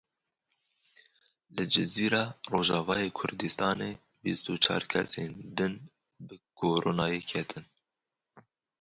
Li Cizîr a Rojavayê Kurdistanê bîst û çar kesên din bi Koronayê ketin.